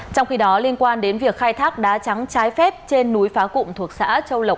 trong khi đó liên quan đến việc khai thác đá trắng trái phép trên núi phá cụm thuộc xã châu lộc